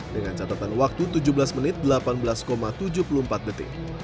dengan catatan waktu tujuh belas menit delapan belas tujuh puluh empat detik